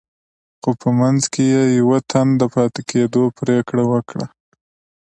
خو په منځ کې يې يوه تن د پاتې کېدو پرېکړه وکړه.